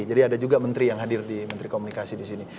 jadi ada juga menteri yang hadir di menteri komunikasi di sini